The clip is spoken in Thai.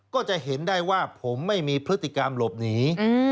ก็จะเห็นได้ว่าผมไม่มีพฤติกรรมหลบหนี